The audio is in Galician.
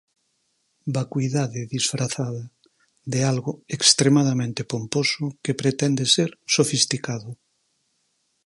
Vacuidade disfrazada de algo extremadamente pomposo que pretende ser sofisticado.